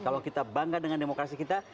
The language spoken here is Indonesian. kalau kita bangga dengan demokrasi kita